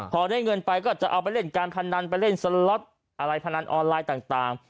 พอได้เงินไปก็จะเอาไปเล่นการพนันไปเล่นสล็อตอะไรพนันออนไลน์ต่าง